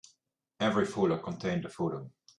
Every folder contained a photo.